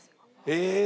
ええ！